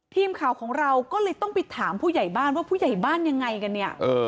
ทีมข่าวของเราก็เลยต้องไปถามผู้ใหญ่บ้านว่าผู้ใหญ่บ้านยังไงกันเนี่ย